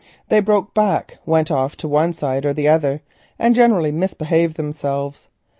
They broke back, went off to one side or the other, and generally misbehaved themselves.